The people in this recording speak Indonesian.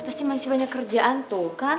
pasti masih banyak kerjaan tuh kan